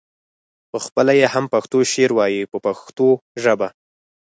پخپله یې هم پښتو شعر وایه په پښتو ژبه.